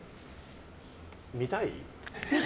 見たい！